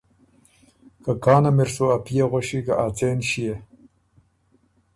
که کانه مِر سُو ا پئے غؤݭی که ا څېن ݭيې؟